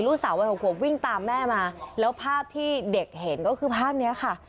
ลูกสาววัย๖ขวบวิ่งตามแม่มาแล้วภาพที่เด็กเห็นก็คือภาพนี้ค่ะ